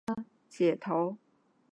宋代以前称解头。